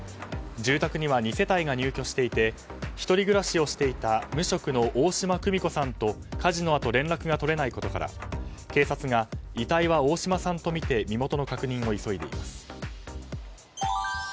住宅には２世帯が入居していて１人暮らしをしていた無職の大嶋久美子さんと火事のあと連絡が取れないことから警察が、遺体は大嶋さんとみて身元の確認を急いでいます。